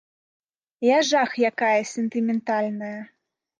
Я жах якая сентыментальная.